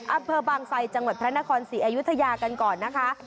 อำเภอบางไซจังหวัดพระนครศรีอยุธยากันก่อนนะคะ